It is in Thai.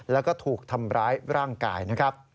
แล้วก็ถูกทำร้ายร่างกายนะครับ